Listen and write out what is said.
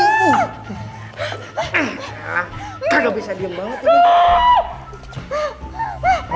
gak bisa diem banget ini